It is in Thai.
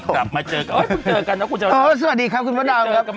กลับมาเจอกันเจอกันแล้วสวัสดีครับคุณพระดาวน์ครับ